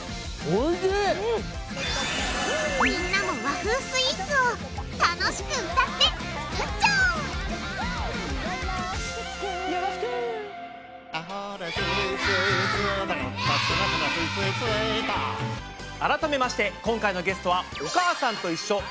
みんなも和風スイーツを改めまして今回のゲストは「おかあさんといっしょ」